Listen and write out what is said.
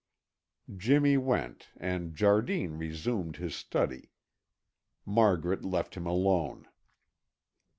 Jimmy went and Jardine resumed his study. Margaret left him alone.